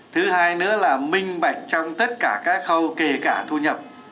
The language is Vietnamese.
thứ hai nữa là minh bạch trong tất cả các khâu kể cả thu nhập